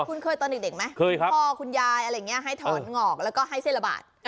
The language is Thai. คุณเคยตอนเด็กไหมเคยครับพ่อคุณยายอะไรอย่างนี้ให้ถอนหงอกแล้วก็ให้เส้นละบาท